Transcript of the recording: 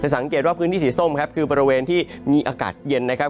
สังเกตว่าพื้นที่สีส้มครับคือบริเวณที่มีอากาศเย็นนะครับ